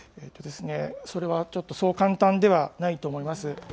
それはちょっと、そう簡単ではないと思います。